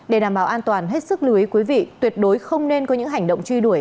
để đảm bảo an toàn hết sức lưu ý quý vị tuyệt đối không nên có những hành động truy đuổi